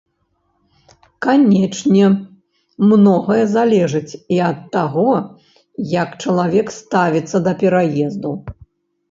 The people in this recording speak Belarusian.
Канешне, многае залежыць і ад таго, як чалавек ставіцца да пераезду.